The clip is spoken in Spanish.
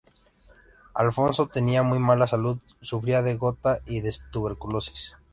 Alfonso tenía muy mala salud, sufría de gota y de tuberculosis.